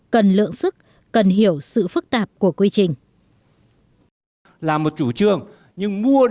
cần lượng sức cần hiểu sự phức tạp của quy trình